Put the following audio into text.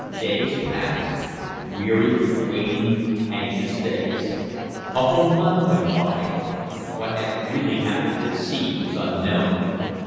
Days passed weary, waiting, anxious days. A whole month went by. What had really happened at sea was unknown.